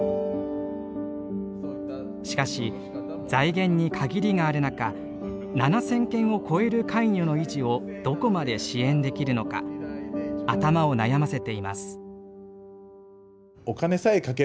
しかし財源に限りがある中７，０００軒を超えるカイニョの維持をどこまで支援できるのか頭を悩ませています。